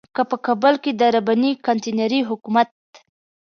که په کابل کې د رباني کانتينري حکومت.